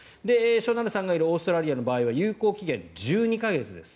しょなるさんがいるオーストラリアの場合は有効期限、１２か月です。